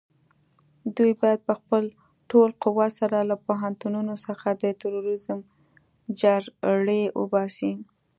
دوی بايد په خپل ټول قوت سره له پوهنتونونو څخه د تروريزم جرړې وباسي.